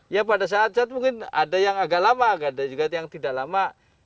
ya pada saat chat mungkin ada yang agak lama ada juga yang tidak lama